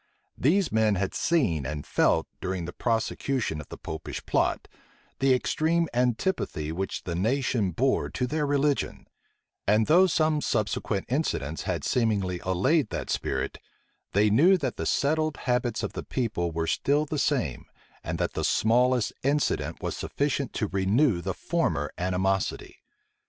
These men had seen and felt, during the prosecution of the Popish plot, the extreme antipathy which the nation bore to their religion; and though some subsequent incidents had seemingly allayed that spirit, they knew that the settled habits of the people were still the same, and that the smallest incident was sufficient to renew the former animosity.